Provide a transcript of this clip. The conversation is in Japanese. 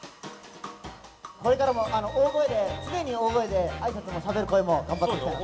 これからも大声で、常に大声で、あいさつもしゃべる声も頑張っていかないと。